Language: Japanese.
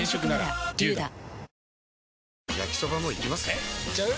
えいっちゃう？